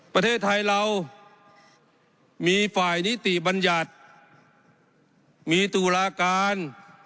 ประเทศไทยเรามีฝ่ายนิติบัญญัติมีตุลาการ